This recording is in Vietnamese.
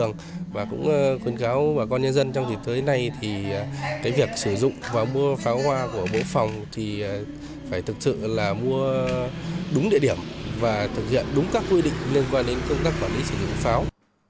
và cũng khuyến cáo bà con nhân dân trong dịp tới nay thì cái việc sử dụng và mua pháo hoa của bố phòng thì phải thực sự là mua đúng địa điểm và thực hiện đúng các quy định liên quan đến công tác quản lý sử dụng pháo